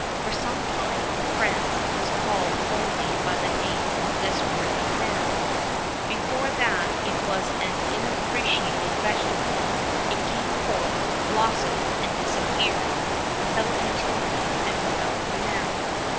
For some time in France it was called only by the name of this worthy man.[VIII 27] Before that it was an unappreciated vegetable; it came forth, blossomed, and disappeared, without utility and without renown.